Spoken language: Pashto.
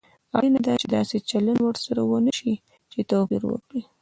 اړینه ده چې داسې چلند ورسره ونشي چې توپير وکړي.